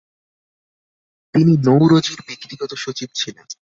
তিনি নৌরোজির ব্যক্তিগত সচিব ছিলেন।